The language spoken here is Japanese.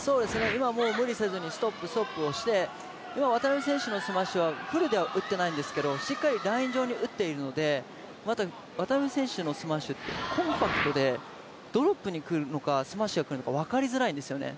今、無理せずにストップ、ストップをして今、渡辺選手のスマッシュはフルでは打ってないんですけどしっかりライン上に打っているのでまた渡辺選手のスマッシュってコンパクトで、ドロップに来るのかスマッシュに来るのか、わかりにくいんですよね。